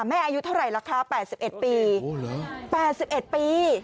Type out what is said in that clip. อายุเท่าไหร่ล่ะคะ๘๑ปี๘๑ปี